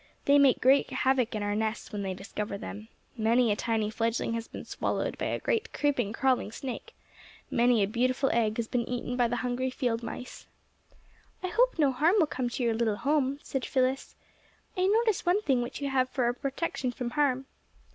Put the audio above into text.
They make great havoc in our nests when they discover them. Many a tiny fledgling has been swallowed by a great creeping, crawling snake. Many a beautiful egg has been eaten by the hungry little field mice." "I hope no harm will come to your little home," said Phyllis. "I notice one thing which you have for a protection from harm."